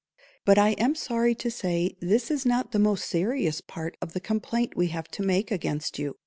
But I am sorry to say this is not the most serious part of the complaint we have to make against you.